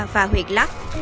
và huyện lắp